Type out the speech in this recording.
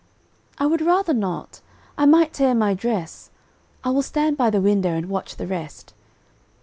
"_] "I would rather not, I might tear my dress, I will stand by the window and watch the rest."